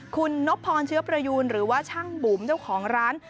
คุณนบพรเชื้อประยูนหรือว่าช่างบุ๋มเจ้าของร้าน